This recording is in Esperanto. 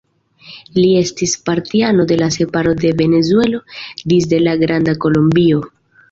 Li estis partiano de la separo de Venezuelo disde la Granda Kolombio.